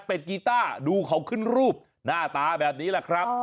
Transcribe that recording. เป็นกีต้าดูเขาขึ้นรูปหน้าตาแบบนี้แหละครับ